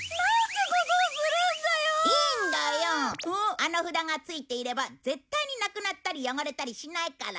あの札がついていれば絶対になくなったり汚れたりしないから。